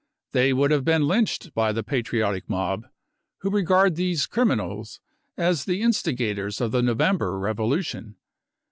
They would have been lynched by the patriotic mob, who regard these c criminals 5 as the instigators of the November revolution.